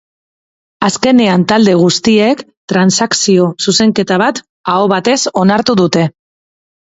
Azkenean, talde guztiek transakzio-zuzenketa bat aho batez onartu dute.